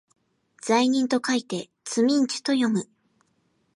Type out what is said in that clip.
罪人と書いてつみんちゅと読む